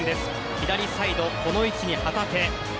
左サイド、この位置に旗手。